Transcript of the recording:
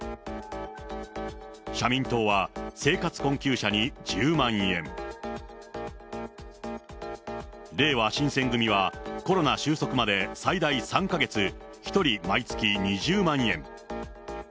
社民党は生活困窮者に１０万円、れいわ新選組はコロナ収束まで最大３か月、１人毎月２０万円。